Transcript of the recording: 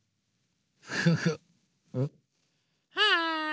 はい。